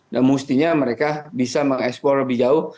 dan mestinya mereka bisa mengeksplore lebih jauh